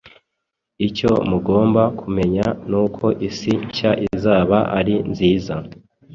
icyo mugomba kumenya nuko isi nshya izaba ari nziza